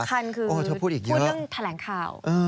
สำคัญคือพูดเรื่องแถลงข่าว